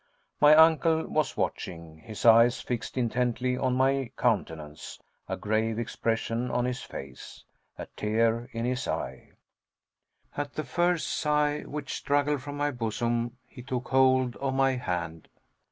My uncle was watching his eyes fixed intently on my countenance, a grave expression on his face, a tear in his eye. At the first sigh which struggled from my bosom, he took hold of my hand.